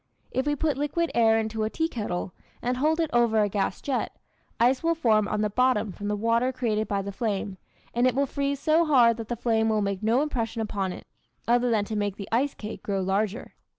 If we put liquid air into a tea kettle and hold it over a gas jet, ice will form on the bottom from the water created by the flame, and it will freeze so hard that the flame will make no impression upon it, other than to make the ice cake grow larger.